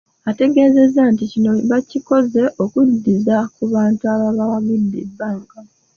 Ategeezezza nti kino bakikoze okuddiza ku bantu ababawagidde ebbanga.